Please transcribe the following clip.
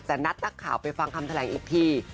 แต่นัดนักข่าวไปฟังคำแถลงอีกที